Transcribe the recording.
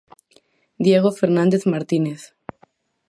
Diego Fernández Martínez.